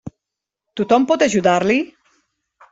Tothom pot ajudar-hi!